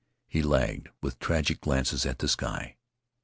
He lagged, with tragic glances at the sky.